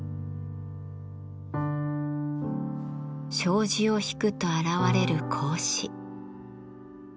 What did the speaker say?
障子を引くと現れる格子。